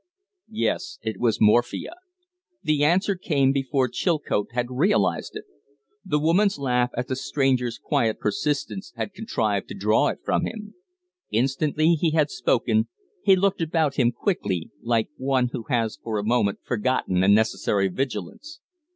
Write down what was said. "Yes. It was morphia." The answer came before Chilcote had realized it. The woman's laugh at the stranger's quiet persistence had contrived to draw it from him. Instantly he had spoken he looked about him quickly, like one who has for a moment forgotten a necessary vigilance.